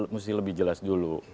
mesti lebih jelas dulu